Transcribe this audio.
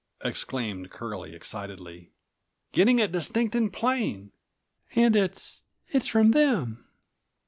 exclaimed Curlie excitedly. "Getting it distinct and plain, and it's—it's from them."